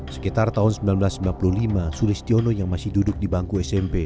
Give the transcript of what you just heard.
sekitar tahun seribu sembilan ratus sembilan puluh lima sulistiono yang masih duduk di bangku smp